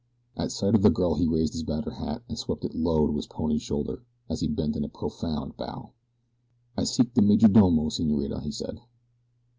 At sight of the girl he raised his battered hat and swept it low to his pony's shoulder as he bent in a profound bow. "I seek the majordomo, senorita," he said.